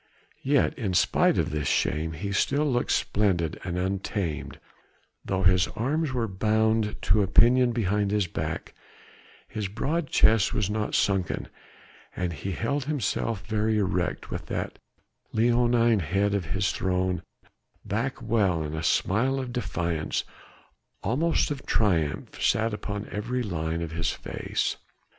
Yet in spite of this shame he still looked splendid and untamed: though his arms were bound to a pinion behind his back, his broad chest was not sunken, and he held himself very erect with that leonine head of his thrown well back and a smile of defiance, almost of triumph, sat upon every line of his face.